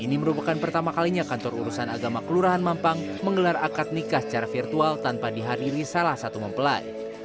ini merupakan pertama kalinya kantor urusan agama kelurahan mampang menggelar akad nikah secara virtual tanpa dihadiri salah satu mempelai